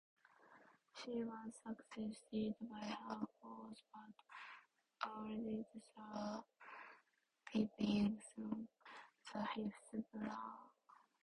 She was succeeded by her fourth but eldest surviving son, the fifth Baron.